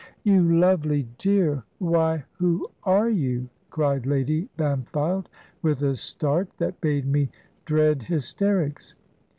"You lovely dear, why, who are you?" cried Lady Bampfylde, with a start, that made me dread hysterics.